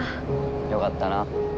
よかったな。